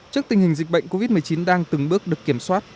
trước tình hình dịch bệnh covid một mươi chín đang từng bước được kiểm soát